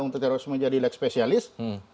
terorisme menjadi leg spesialis